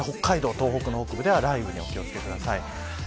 北海道、東北の北部では雷雨にお気を付けください